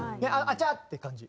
あちゃー！って感じ。